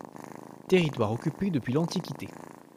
Territoire occupé depuis l’Antiquité.